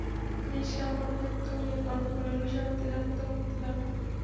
নিষ্কাম ও অনাসক্ত হইয়া কর্ম করিলে সর্বাধিক আনন্দ ও মুক্তিলাভ হয়।